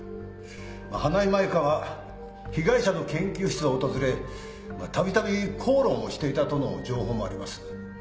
花井舞香は被害者の研究室を訪れ度々口論をしていたとの情報もあります。